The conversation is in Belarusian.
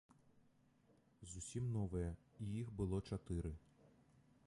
Зусім новыя, і іх было чатыры.